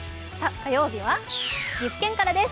火曜日は岐阜県からです。